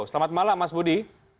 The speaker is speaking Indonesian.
selamat malam mas budi